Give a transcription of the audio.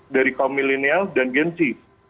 dari kaum milenial dan genci